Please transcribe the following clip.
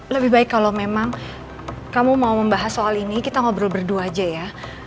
lebih baik kalau memang kamu mau membahas soal ini kita ngobrol berdua aja ya